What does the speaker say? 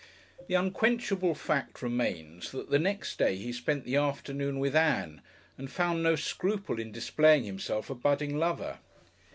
The unquenchable fact remains that the next day he spent the afternoon with Ann and found no scruple in displaying himself a budding lover.